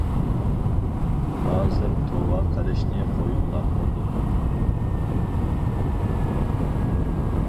— ھازىر توۋا قىلىشنى قويۇڭلا، خوتۇن.